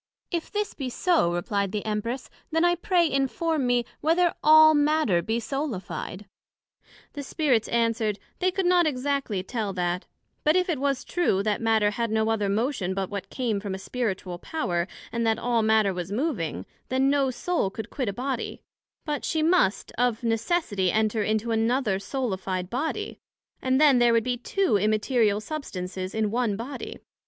If this be so, replied the Empress, then I pray inform me, Whether all matter be soulified? The Spirits answered, They could not exactly tell that; but if it was true, that Matter had no other motion but what came from a spiritual power, and that all matter was moving, then no soul could quit a Body, but she must, of necessity enter into another soulified Body, and then there would be two immaterial substances in one Body.